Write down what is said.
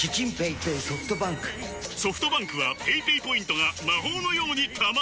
ソフトバンクはペイペイポイントが魔法のように貯まる！